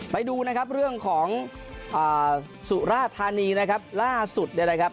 ไปดูเรื่องของสุราธานีล่าสุด